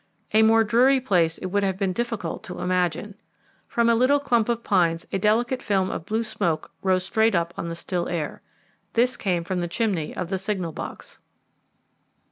A more dreary place it would have been difficult to imagine. From a little clump of pines a delicate film of blue smoke rose straight up on the still air. This came from the chimney of the signal box.